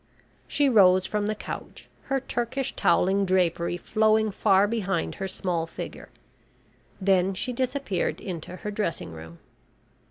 She rose from the couch, her Turkish towelling drapery flowing far behind her small figure. Then she disappeared into her dressing room.